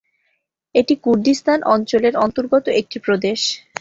এটি কুর্দিস্তান অঞ্চলের অন্তর্গত একটি প্রদেশ।